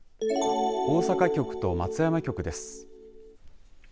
大阪局と松山局です。